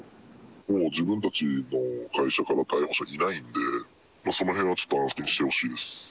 もう自分たちの会社から逮捕者いないんで、そのへんはちょっと安心してほしいです。